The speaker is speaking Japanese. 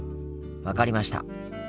分かりました。